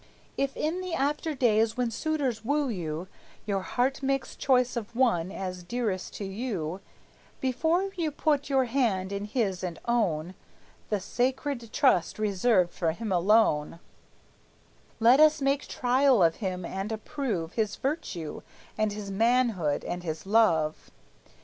If in the after days, when suitors woo you, Your heart makes choice of one, as dearest to you, Before you put your hand in his and own The sacred trust reserved for him alone, Let us make trial of him, and approve His virtue, and his manhood, and his love.